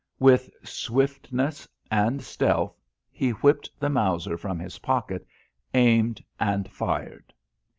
With swiftness and stealth he whipped the Mauser from his pocket, aimed and fired.